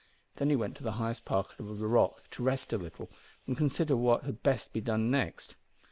Then he went to the highest part of the rock to rest a little, and consider what had best be done next.